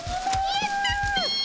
やったっピ！